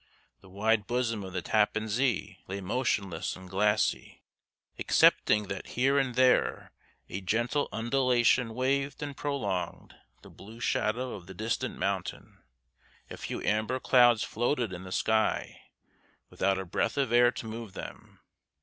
The wide bosom of the Tappan Zee lay motionless and glassy, excepting that here and there a gentle undulation waved and prolonged the blue shadow of the distant mountain. A few amber clouds floated in the sky, without a breath of air to move them.